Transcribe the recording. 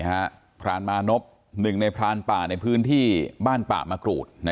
พรานมานพหนึ่งในพรานป่าในพื้นที่บ้านป่ามะกรูด